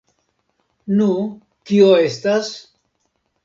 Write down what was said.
Nu, kio estas?